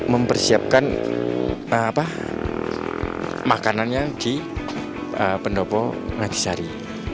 mempersiapkan makanannya di pendopo ngadisari